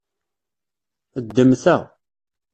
Ddem ta.